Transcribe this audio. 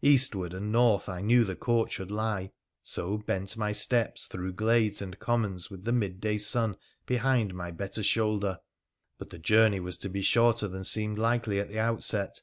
Eastward and north I knew the Court should lie, so bent my steps through glades and commons with the midday sun behind my better shoulder. But the journey was to be shorter than seemed likely at the outset.